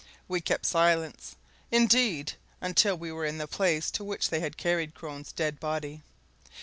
We kept silence, indeed, until we were in the place to which they had carried Crone's dead body.